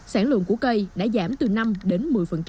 sản lượng của cây đã giảm từ năm đến một mươi